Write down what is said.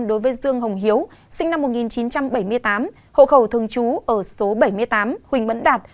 đối với dương hồng hiếu sinh năm một nghìn chín trăm bảy mươi tám hộ khẩu thường trú ở số bảy mươi tám huỳnh mẫn đạt